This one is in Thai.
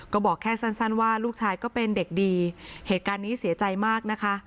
ก็บอกแค่สั้นว่าลูกชายก็เป็นเด็กดีเหตุการณ์นี้เสียใจมากนะคะ